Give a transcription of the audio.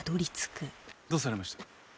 どうされました？